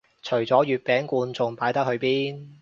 除咗月餅罐仲擺得去邊